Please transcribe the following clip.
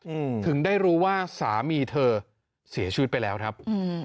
อืมถึงได้รู้ว่าสามีเธอเสียชีวิตไปแล้วครับอืม